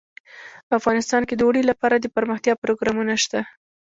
افغانستان کې د اوړي لپاره دپرمختیا پروګرامونه شته.